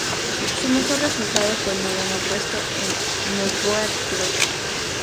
Su mejor resultado fue el noveno puesto en snowboard cross.